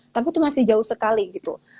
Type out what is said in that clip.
tapi itu masih jauh sekali gitu